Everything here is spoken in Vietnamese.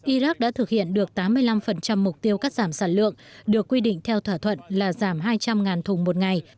iraq đã thực hiện được tám mươi năm mục tiêu cắt giảm sản lượng được quy định theo thỏa thuận là giảm hai trăm linh thùng một ngày